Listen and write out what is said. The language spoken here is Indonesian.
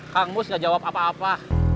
kang mus nggak jawab apa apa